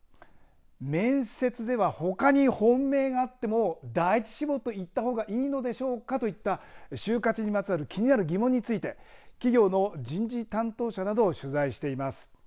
面接では、ほかに本命があっても第１志望と言ったほうがいいのでしょうかといった就活にまつわる気になる疑問について企業の人事担当者などを取材しています。